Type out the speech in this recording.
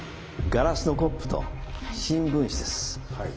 ガラスのコップと新聞紙です。